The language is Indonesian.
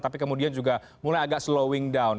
tapi kemudian juga mulai agak slowing down